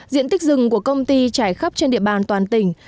diện tích rừng của công ty trải khắp trên địa bàn toàn tỉnh